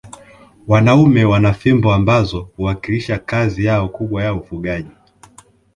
Wanaume wana fimbo ambazo huwakilisha kazi yao kubwa ya ufugaji